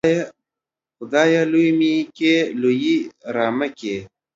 خدايه! لوى مې کې ، لويي رامه کې.